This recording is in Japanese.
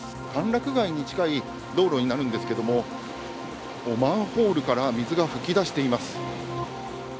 歓楽街に近い道路になるんですけれどもマンホールから水が噴き出しています。